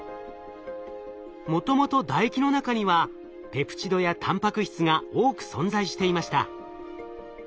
もともと唾液の中にはペプチドやたんぱく質が多く存在していました。